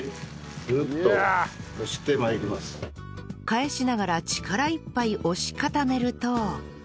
返しながら力いっぱい押し固めると